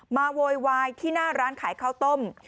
โวยวายที่หน้าร้านขายข้าวต้ม